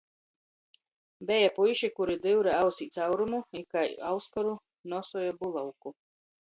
Beja puiši, kuri dyure ausī caurumu i kai auskoru nosuoja bulavku.